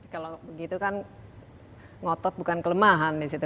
kalau begitu kan ngotot bukan kelemahan disitu